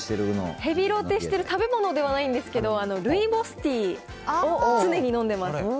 ヘビロテしてる、食べ物ではないんですけど、ルイボスティーを常に飲んでます。